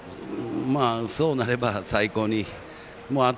そうなれば、最高と。